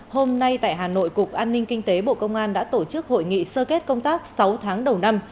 hôm nay tại hà nội cục an ninh kinh tế bộ công an đã tổ chức hội nghị sơ kết công tác sáu tháng đầu năm